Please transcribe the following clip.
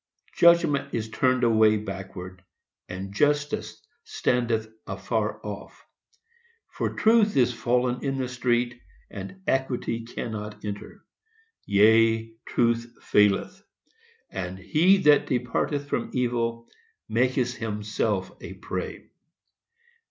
Judgment is turned away backward, And Justice standeth afar off; For Truth is fallen in the street, And Equity cannot enter. Yea, Truth faileth; And HE THAT DEPARTETH FROM EVIL MAKETH HIMSELF A PREY.